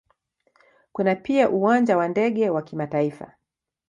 Kuna pia Uwanja wa ndege wa kimataifa.